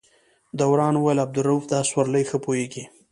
دوران وویل عبدالروف د آس سورلۍ ښه پوهېږي.